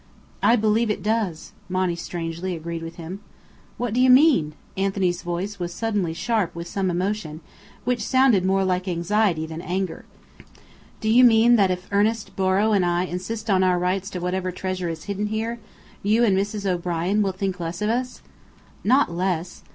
"I believe it does!" Monny strangely agreed with him. "What do you mean?" Anthony's voice was suddenly sharp with some emotion; which sounded more like anxiety than anger. "Do you mean, that if Ernest Borrow and I insist on our rights to whatever treasure is hidden here, you and Mrs. O'Brien will think less of us?" "Not less.